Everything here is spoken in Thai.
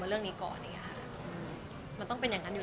ถ้าเรื่องละครตอนนี้ผมยังไม่เข้าไปรู้ว่าขอมเมนต์ยังยังไง